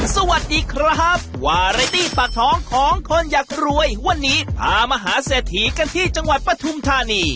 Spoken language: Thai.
สวัสดีครับวาไรตี้ปากท้องของคนอยากรวยวันนี้พามาหาเศรษฐีกันที่จังหวัดปฐุมธานี